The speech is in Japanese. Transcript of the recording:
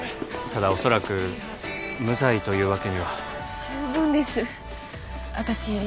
ただ恐らく無罪というわけには十分です私